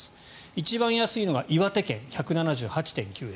一番安いのが岩手県１７８．９円。